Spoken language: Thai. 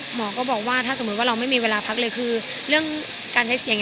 หมอก็บอกว่าถ้าสมมุติว่าเราไม่มีเวลาพักเลยคือเรื่องการใช้เสียง